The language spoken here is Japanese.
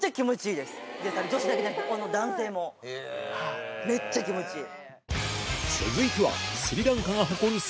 女子だけじゃなくて男性もめっちゃ気持ちいい。